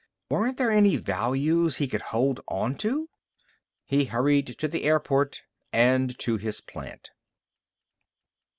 Weren't there any values he could hold on to? He hurried to the airport and to his plant.